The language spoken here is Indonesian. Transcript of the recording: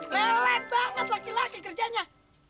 lelet banget laki laki kerjanya